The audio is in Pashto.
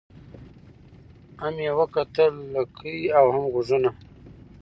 هم یې وکتل لکۍ او هم غوږونه